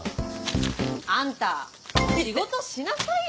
あんた仕事しなさいよ！